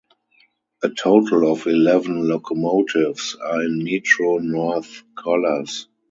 A total of eleven locomotives are in Metro-North colors.